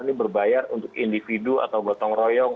ini berbayar untuk individu atau gotong royong